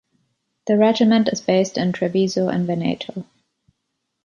The regiment is based in Treviso in Veneto.